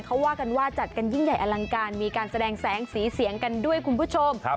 เขาว่ากันว่าจัดกันยิ่งใหญ่อลังการมีการแสดงแสงสีเสียงกันด้วยคุณผู้ชม